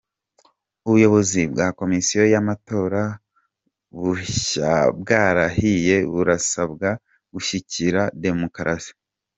Ubuyobozi bwa Komisiyo y’amatora bushya bwarahiye burasabwa gushyigikira demukarasi